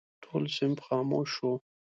ټول صنف خاموش شو.